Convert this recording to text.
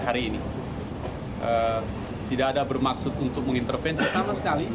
hari ini tidak ada bermaksud untuk mengintervensi sama sekali